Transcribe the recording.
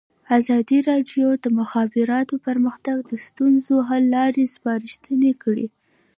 ازادي راډیو د د مخابراتو پرمختګ د ستونزو حل لارې سپارښتنې کړي.